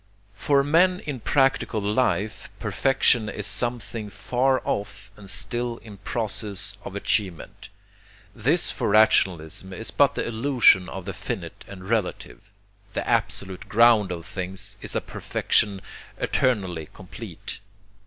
For men in practical life perfection is something far off and still in process of achievement. This for rationalism is but the illusion of the finite and relative: the absolute ground of things is a perfection eternally complete.